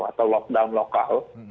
atau lockdown lokal